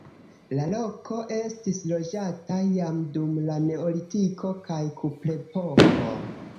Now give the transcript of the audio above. La loko estis loĝata jam dum la neolitiko kaj kuprepoko.